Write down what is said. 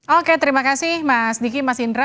oke terima kasih mas diki mas indra